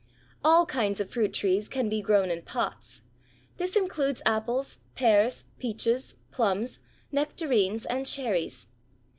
All kinds of fruit trees can be grown in pots. This includes apples, pears, peaches, plums, nectarines, and cherries.